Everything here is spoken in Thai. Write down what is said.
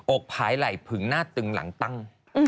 ผายไหล่ผึงหน้าตึงหลังตั้ง